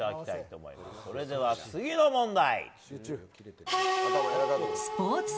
それでは次の問題。